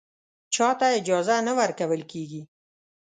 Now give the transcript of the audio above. چا ته اجازه نه ورکول کېږي